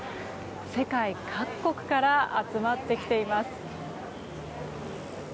世界各国から集まってきています。